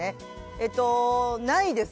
えっとないです。